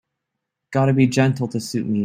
Gotta be gentle to suit me.